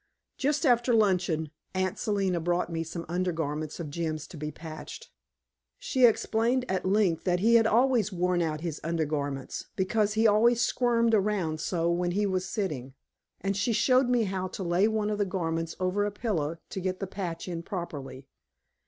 Just after luncheon Aunt Selina brought me some undergarments of Jim's to be patched. She explained at length that he had always worn out his undergarments, because he always squirmed around so when he was sitting. And she showed me how to lay one of the garments over a pillow to get the patch in properly.